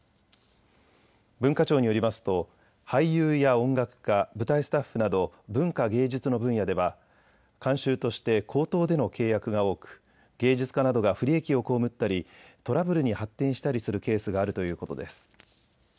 文化庁によりますと俳優や音楽家、舞台スタッフなど文化芸術の分野では慣習として口頭での契約が多く芸術家などが不利益を被ったりトラブルに発展したりするケースがあるということです。